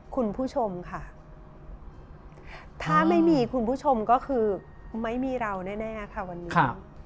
คุณผู้ชมค่ะถ้าไม่มีคุณผู้ชมก็คือไม่มีเราแน่ค่ะวันนี้